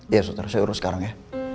iya suter saya urus sekarang ya